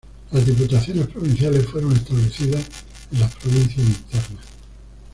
Las diputaciones provinciales fueron establecidas en las Provincias Internas.